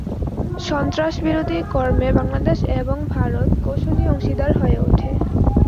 সন্ত্রাস বিরোধী কর্মে বাংলাদেশ এবং ভারত কৌশলী অংশীদার হয়ে উঠে।